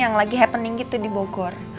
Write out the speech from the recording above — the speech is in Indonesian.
yang lagi happening gitu di bogor